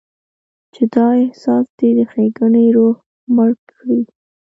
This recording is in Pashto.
چې دا احساس دې د ښېګڼې روح مړ کړي.